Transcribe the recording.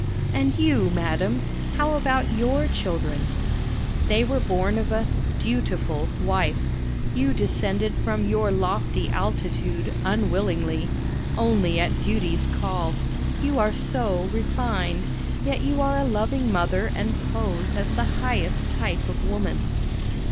And you, madam, how about your children? They were born of a "dutiful" wife. You descended from your lofty altitude unwillingly only at duty's call. You are so "refined," yet you are a loving mother and pose as the highest type of woman.